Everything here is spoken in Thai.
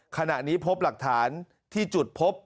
ขณะนี้พบหลักฐานที่จุดพบ